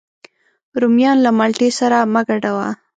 رومیان له مالټې سره مه ګډوه